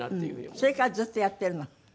それからずっとやってるの？